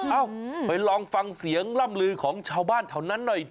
เอ้าไปลองฟังเสียงล่ำลือของชาวบ้านแถวนั้นหน่อย